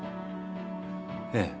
ええ。